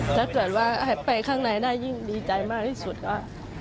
ถ้าเกิดว่าให้ไปข้างในได้ยิ่งดีใจมากที่สุดว่า